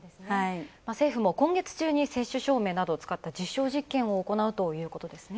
政府も今月中に接種証明などを使った実証実験を行うということですね。